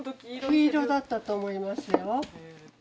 黄色だったと思いますよ。